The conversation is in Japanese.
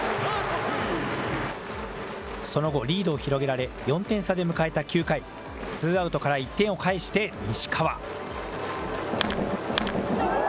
その後、リードを広げられ、４点差で迎えた９回、ツーアウトから１点を返して、西川。